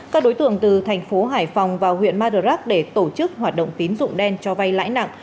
các đối tượng từ thành phố hải phòng vào huyện madurak để tổ chức hoạt động tín dụng đen cho vay lãi nặng